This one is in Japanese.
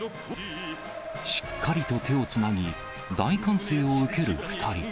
しっかりと手をつなぎ、大歓声を受ける２人。